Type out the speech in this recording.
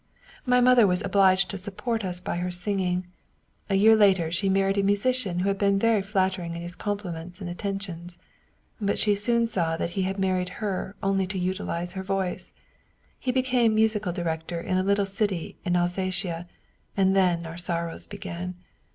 My mother was obliged to support us by her singing. A year later she married a musician who had been very flat tering in his compliments and attentions. But she soon saw that he had married her only to utilize her voice. He be came musical director in a little city in Alsatia, and then our sorrows began.